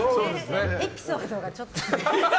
エピソードがちょっとね。